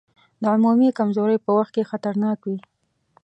د عمومي کمزورۍ په وخت کې خطرناک وي.